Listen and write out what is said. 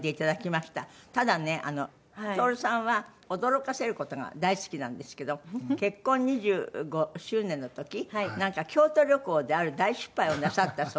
ただね徹さんは驚かせる事が大好きなんですけど結婚２５周年の時なんか京都旅行である大失敗をなさったそうですがそれはどういう？